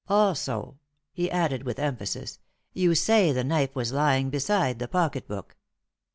Also," he added with emphasis, "you say the knife was lying beside the pocket book.